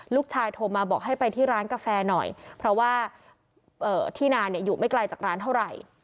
โทรมาบอกให้ไปที่ร้านกาแฟหน่อยเพราะว่าที่นานอยู่ไม่ไกลจากร้านเท่าไหร่